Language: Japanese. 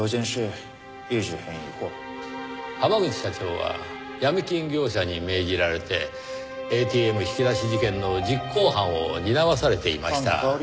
濱口社長はヤミ金業者に命じられてＡＴＭ引き出し事件の実行犯を担わされていました。